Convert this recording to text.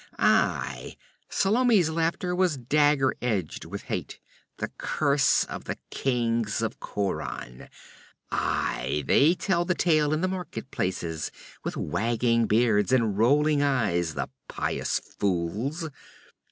'Aye!' Salome's laughter was dagger edged with hate. 'The curse of the kings of Khauran! Aye, they tell the tale in the market places, with wagging beards and rolling eyes, the pious fools!